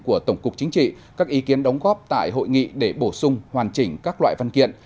của tổng cục chính trị các ý kiến đóng góp tại hội nghị để bổ sung hoàn chỉnh các loại văn kiện